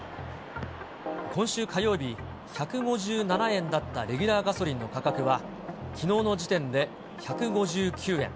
今週火曜日、１５７円だったレギュラーガソリンの価格は、きのうの時点で１５９円。